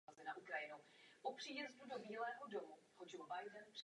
Vždyť se nesnažíme najít kámen mudrců.